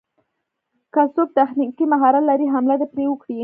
که څوک تخنيکي مهارت لري حمله دې پرې وکړي.